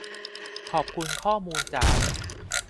ขอบคุณข้อมูลจาก